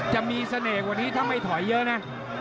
จะมีเสน่ห์กว่านี้ถ้าไม่ถอยเยอะนะ